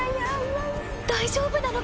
［大丈夫なのか？］